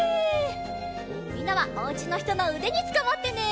みんなはおうちのひとのうでにつかまってね！